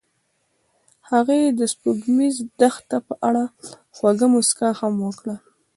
هغې د سپوږمیز دښته په اړه خوږه موسکا هم وکړه.